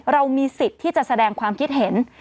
เรามีสิทธิ์ที่จะแสดงความคิดเห็น